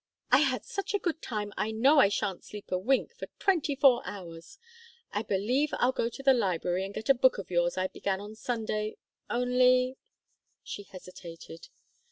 "I had such a good time I know I sha'n't sleep a wink for twenty four hours. I believe I'll go to the library and get a book of yours I began on Sunday only " She hesitated.